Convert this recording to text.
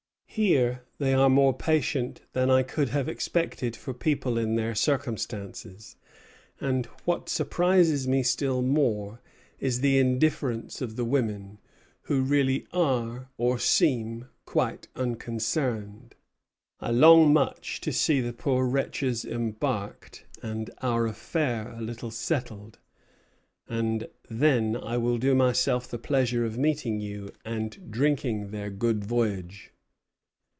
Here they are more patient than I could have expected for people in their circumstances; and what surprises me still more is the indifference of the women, who really are, or seem, quite unconcerned. I long much to see the poor wretches embarked and our affair a little settled; and then I will do myself the pleasure of meeting you and drinking their good voyage."